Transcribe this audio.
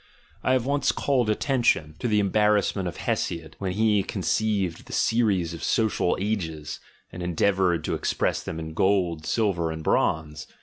I have once 24 THE GENEALOGY OF MORALS called attention to the embarrassment of Hesiod, when he conceived the series of social ages, and endeavoured to express them in gold, silver, and bronze.